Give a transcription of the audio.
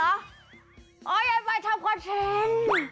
อ๋อหญ้ายไบต์ทำคอนเทท